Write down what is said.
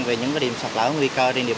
về những điểm sạt lở nguy cơ trên địa